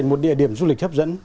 nó là một địa điểm du lịch hấp dẫn